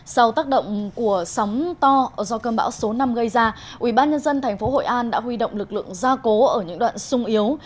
sau tác động của sóng to do cơn bão số năm gây ra ubnd tp hội an đã huy động lực lượng gia cố ở những đoạn sung yếu